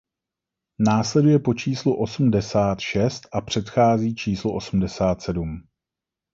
Následuje po číslu osmdesát šest a předchází číslu osmdesát osm.